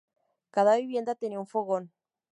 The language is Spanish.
Cada vivienda tenía un fogón.